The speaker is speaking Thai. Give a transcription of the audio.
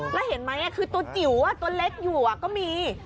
แล้วเห็นไหมคือตัวจิ๋วตัวเล็กอยู่ก็มี